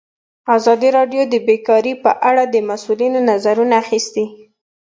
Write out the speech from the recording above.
ازادي راډیو د بیکاري په اړه د مسؤلینو نظرونه اخیستي.